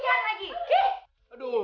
sampai ambil gisian lagi